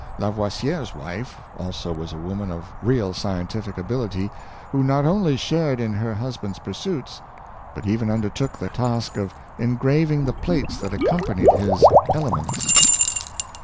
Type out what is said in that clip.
Lavoisier's wife also was a woman of real scientific ability, who not only shared in her husband's pursuits, but even undertook the task of engraving the plates that accompanied his "Elements."